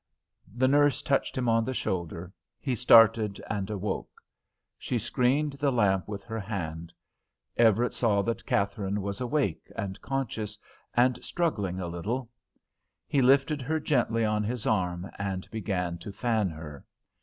The nurse touched him on the shoulder, he started and awoke. She screened the lamp with her hand. Everett saw that Katharine was awake and conscious, and struggling a little. He lifted her gently on his arm and began to fan her.